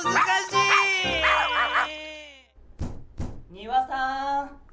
・丹羽さん。